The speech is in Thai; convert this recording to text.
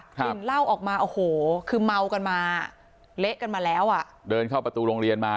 กลิ่นเหล้าออกมาโอ้โหคือเมากันมาเละกันมาแล้วอ่ะเดินเข้าประตูโรงเรียนมา